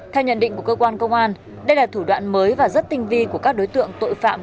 theo nhận định của cơ quan công an đây là thủ đoạn mới và rất tinh vi của các đối tượng tội phạm